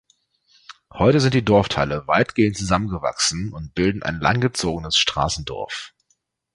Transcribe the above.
Heute sind die Dorfteile weitgehend zusammengewachsen und bilden ein langgezogenes Strassendorf.